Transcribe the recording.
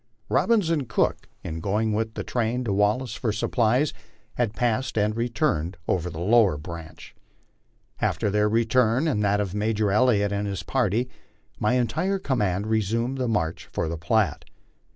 Robbins and Cook, in going with the train to Wallace for supplies, had passed and returned over the lower branch. After their return and that of Major Elliott and his party, my entire command resumed the march for the Platte.